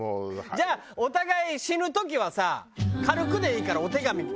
じゃあお互い死ぬ時はさ軽くでいいからお手紙お互いに出そう。